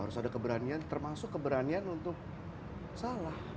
harus ada keberanian termasuk keberanian untuk salah